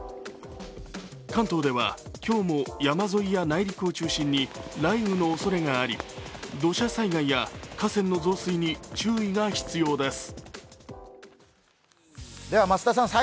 関東では今日も、山沿いや内陸を中心に雷雨のおそれがあり、土砂災害や河川の増水に注意が必要です。